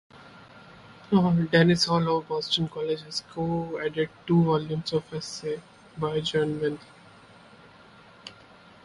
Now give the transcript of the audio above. Dennis Hale of Boston College has co-edited two volumes of essays by Jouvenel.